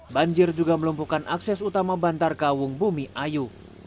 banjir juga melumpuhkan akses utama bantar kawung bumi ayu